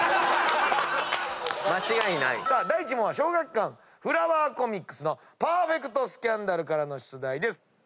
第１問は小学館フラワーコミックスの『パーフェクトスキャンダル』からの出題です。